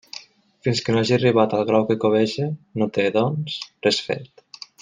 Fins que no hagi arribat al grau que cobeja, no té, doncs, res fet.